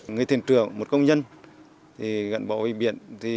người thiền trưởng một công nhân gần bảo vệ biển